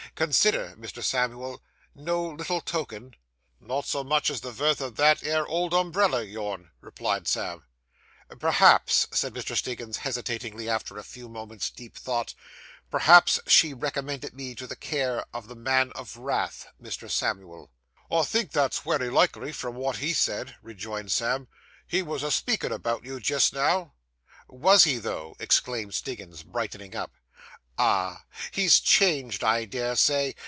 'Consider, Mr. Samuel; no little token?' 'Not so much as the vorth o' that 'ere old umberella o' yourn,' replied Sam. 'Perhaps,' said Mr. Stiggins hesitatingly, after a few moments' deep thought, 'perhaps she recommended me to the care of the man of wrath, Mr. Samuel?' 'I think that's wery likely, from what he said,' rejoined Sam; 'he wos a speakin' about you, jist now.' 'Was he, though?' exclaimed Stiggins, brightening up. 'Ah! He's changed, I dare say.